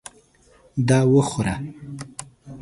دا وخوره !